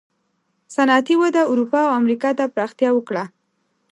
صنعتي وده اروپا او امریکا ته پراختیا وکړه.